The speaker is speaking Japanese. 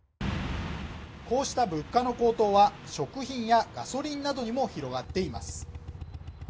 こうした物価の高騰は食品やガソリンなどにも広がっています